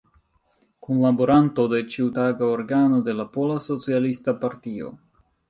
Kunlaboranto de ĉiutaga organo de la Pola Socialista Partio.